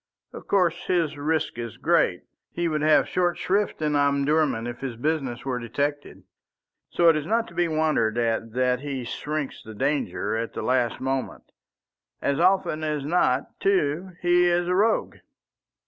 Of course his risk is great. He would have short shrift in Omdurman if his business were detected. So it is not to be wondered at that he shirks the danger at the last moment. As often as not, too, he is a rogue.